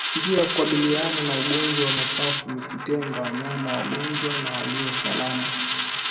Njia ya kukabiliana na ugonjwa wa mapafu ni kutenga wanyama wagonjwa na walio salama